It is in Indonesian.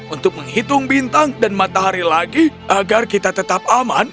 untuk menghitung bintang dan matahari lagi agar kita tetap aman